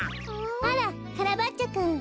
あらカラバッチョくん。